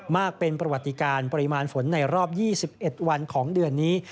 มากเป็นประวัติการปริมาณฝนในรอบ๒๑วันของเดือนนี้